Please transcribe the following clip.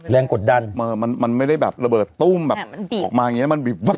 แรงกดดันมันไม่ได้แบบระเบิดตู้มแบบออกมาอย่างงี้มันบีบเข้ามา